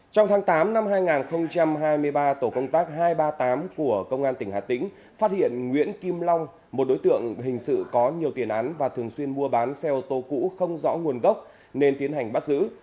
trong tháng tám năm hai nghìn hai mươi ba tổ công tác hai trăm ba mươi tám của công an tỉnh hà tĩnh phát hiện nguyễn kim long một đối tượng hình sự có nhiều tiền án và thường xuyên mua bán xe ô tô cũ không rõ nguồn gốc nên tiến hành bắt giữ